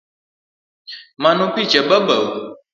Mano picha babau?